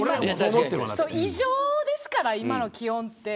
異常ですから今の気温って。